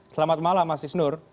selamat malam mas isnur